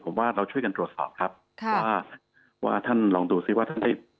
ผมว่าเราช่วยกันตรวจสอบครับค่ะว่าว่าท่านลองดูซิว่าท่านได้